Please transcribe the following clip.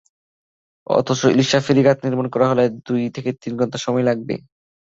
অথচ ইলিশা ফেরিঘাট নির্মাণ করা হলে দুই থেকে তিন ঘণ্টা সময় লাগবে।